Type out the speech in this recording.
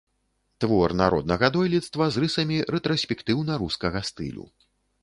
Твор народнага дойлідства з рысамі рэтраспектыўна-рускага стылю.